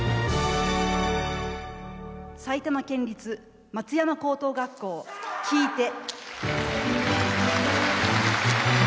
埼玉県立松山高等学校「聞いて。」。